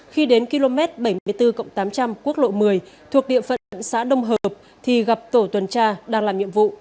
khi đến km bảy mươi bốn tám trăm linh quốc lộ một mươi thuộc địa phận xã đông hợp thì gặp tổ tuần tra đang làm nhiệm vụ